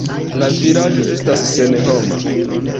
La vilaĝo estas senhoma.